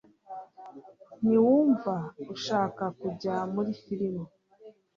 Ntiwumva ushaka kujya muri firime